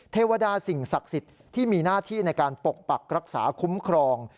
เทวดาสิ่งศักดิ์สิทธิ์ที่มีหน้าที่ในการปกปักรักษาคุ้มครอง